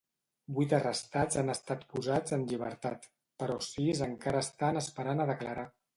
Vuit arrestats han estat posats en llibertat, però sis encara estan esperant a declarar.